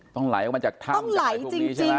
ต้องไหลออกมาจากท่างจากไหลภูมินี้ใช่ไหม